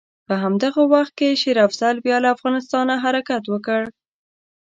په همدغه وخت کې شېر افضل بیا له افغانستانه حرکت وکړ.